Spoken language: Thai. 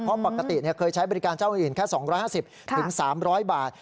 เพราะปกติเคยใช้บริการเจ้าอื่นแค่๒๕๐๓๐๐บาท